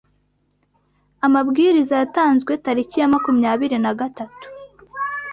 Amabwiriza yatanzwe tariki ya makumyabiri na gatatu